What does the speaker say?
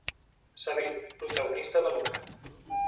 Sabir: protagonista de l'obra.